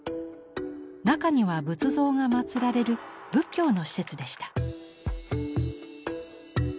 中には仏像が祀られる仏教の施設でした。